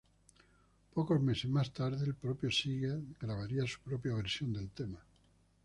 Pocos meses más tarde, el propio Seeger grabaría su propia versión del tema.